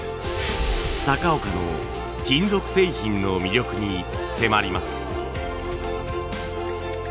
高岡の金属製品の魅力に迫ります。